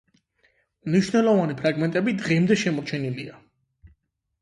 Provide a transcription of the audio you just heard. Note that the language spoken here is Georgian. მნიშვნელოვანი ფრაგმენტები დღემდე შემორჩენილია.